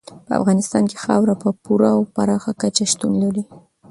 په افغانستان کې خاوره په پوره او پراخه کچه شتون لري.